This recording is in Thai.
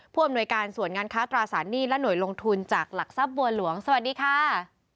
อำนวยการส่วนงานค้าตราสารหนี้และหน่วยลงทุนจากหลักทรัพย์บัวหลวงสวัสดีค่ะ